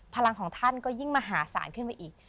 พลังของท่านก็ยิ่งมหาศาลขึ้นไปอีก